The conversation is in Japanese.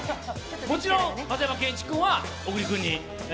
もちろん松山ケンイチ君は小栗君に？